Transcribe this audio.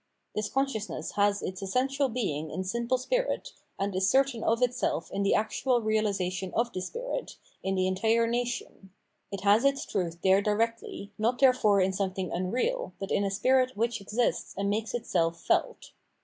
This consciousness has its essential being in' simple spirit, and is certain of itself in the actual reahsation of this spirit, in the entire nation ; it has its truth there directly, not therefore in something unreal, but in a spirit which exists and makes itself felt.